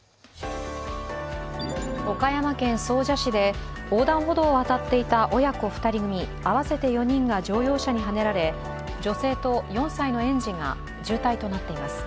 岡山県総社市で横断歩道を渡っていた親子２人組、合わせて４人が乗用車にはねられ、４歳の園児が重体となっています